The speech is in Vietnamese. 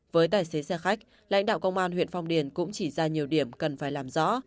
với tài xế xe khách lãnh đạo công an huyện phong điền cũng chỉ ra nhiều điểm cần phải làm rõ